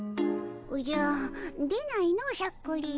おじゃ出ないのしゃっくり。